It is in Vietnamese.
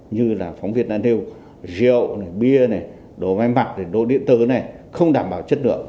như là phóng viên anh hưu rượu bia đồ máy mặc đồ điện tử không đảm bảo chất lượng